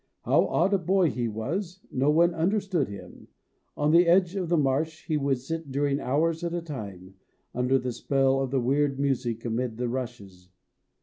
How odd a boy he was no one understood him. On the edge of the marsh he would sit during hours at a time, under the spell of the weird music amid the rushes.